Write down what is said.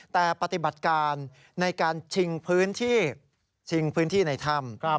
แต่ปฏิบัติการในการชิงพื้นที่ชิงพื้นที่ในถ้ำ